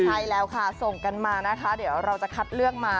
ใช่แล้วค่ะส่งกันมานะคะเดี๋ยวเราจะคัดเลือกมา